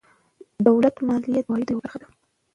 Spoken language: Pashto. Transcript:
دولت مالیه د عوایدو یوه برخه ده.